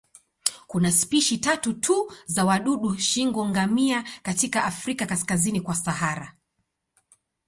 Kuna spishi tatu tu za wadudu shingo-ngamia katika Afrika kaskazini kwa Sahara.